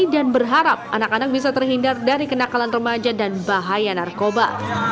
dan berharap anak anak bisa terhindar dari kenakalan remaja dan bahaya narkoba